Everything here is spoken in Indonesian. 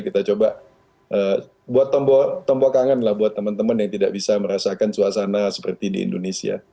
kita coba buat tempok kangen lah buat teman teman yang tidak bisa merasakan suasana seperti di indonesia